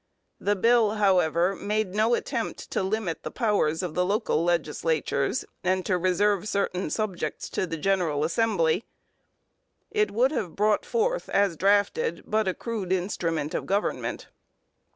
The bill, however, made no attempt to limit the powers of the local legislatures and to reserve certain subjects to the general assembly. It would have brought forth, as drafted, but a crude instrument of government.